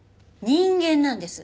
人間なんです。